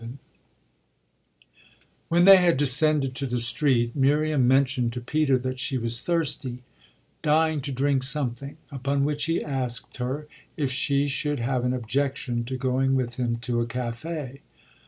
XI When they had descended to the street Miriam mentioned to Peter that she was thirsty, dying to drink something: upon which he asked her if she should have an objection to going with him to a café.